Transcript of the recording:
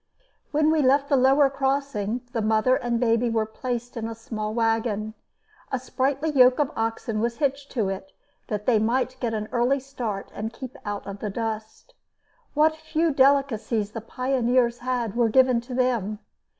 When we left the lower crossing, the mother and baby were placed in a small wagon. A sprightly yoke of oxen was hitched to it that they might get an early start and keep out of the dust. What few delicacies the pioneers had were given to them.